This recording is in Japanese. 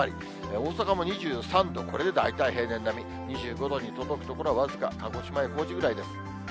大阪も２３度、これで大体平年並み、２５度に届く所は僅か、鹿児島や高知ぐらいです。